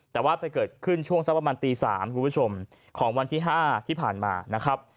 แต่ว่าไปเกิดขึ้นช่วงสักประมาณตี๓คุณผู้ชมของวันที่๕ที่ผ่านมานะครับ